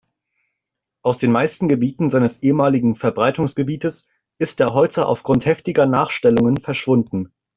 Aus den meisten Gebieten seines ehemaligen Verbreitungsgebietes ist er heute aufgrund heftiger Nachstellungen verschwunden.